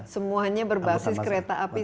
semuanya berbasis kereta api